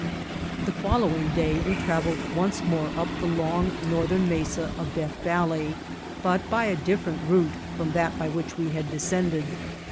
The following day we traveled once more up Snowstorm and Sandstorm the long, northern mesa of Death Valley, but by a different route from that by which we had descended.